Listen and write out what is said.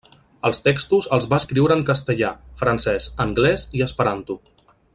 Els textos els va escriure en castellà, francès, anglès i esperanto.